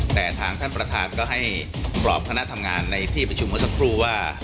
แต่ทางท่านประธานก็ให้กรอบคณะทำงานในที่ประชุมเมื่อสักครู่ว่า